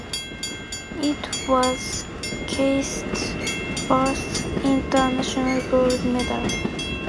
It was Keith's first international gold medal.